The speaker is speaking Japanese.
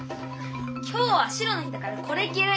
今日は白の日だからこれきる！